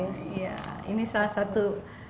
iya ini salah satu